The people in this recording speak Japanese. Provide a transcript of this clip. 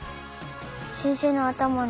先生の頭に。